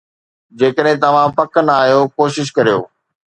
جيڪڏهن توهان پڪ نه آهيو، ڪوشش ڪريو